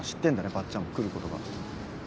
ばっちゃんも来ることが。